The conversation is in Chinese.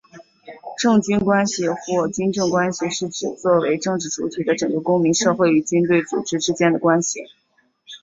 政军关系或军政关系是指作为政治主体的整个公民社会与军队组织之间的关系。